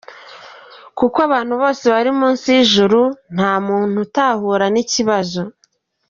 Kuko abantu bose bari munsi y’ijuru, nta muntu utahura n’ikibazo.